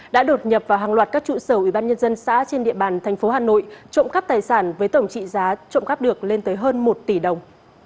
đã đột nhập vào hàng loạt các trụ sở ủy ban nhân dân xã trên địa bàn thành phố hà nội trộm cắp tài sản với tổng trị giá trộm cắp được lên tới hơn một tỷ đồng